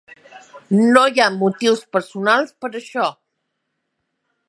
No hi ha motius personals per això.